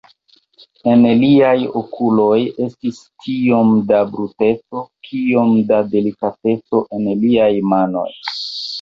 En liaj okuloj estis tiom da bruteco, kiom da delikateco en liaj manoj.